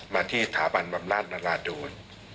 มาที่สถาบันบำราชนราดูล